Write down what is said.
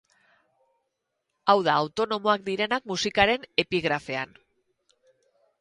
Hau da, autonomoak direnak musikaren epigrafean.